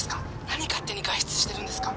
何勝手に外出してるんですか！